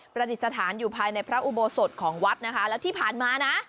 ประดิษฐานอยู่ภายในพระอุโบสถของวัดนะคะแล้วที่ผ่านมานะ